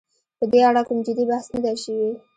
په دې اړه کوم جدي بحث نه دی شوی.